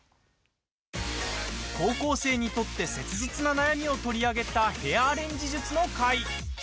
高校生にとって切実な悩みを取り上げたヘアアレンジ術の回。